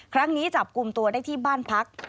ครั้งนี้จับกลุ่มตัวได้ที่บ้านพัก